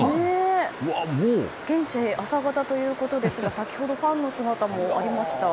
現地、朝方ということですが先ほど、ファンの姿もありました。